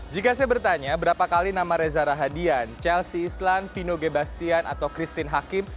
jika saya bertanya berapa kali nama reza rahadian chelsea islan vino gebastian atau christine hakim